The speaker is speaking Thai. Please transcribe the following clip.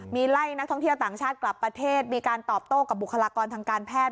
มีไล่นักท่องเที่ยวต่างชาติกลับประเทศมีการตอบโต้กับบุคลากรทางการแพท